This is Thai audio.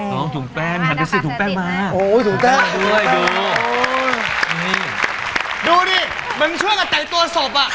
น้องถุงแป้งมาถุงแป้งด้วยดูดูดิมันช่วยกับแต่ตัวศพอ่ะ